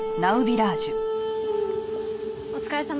お疲れさま。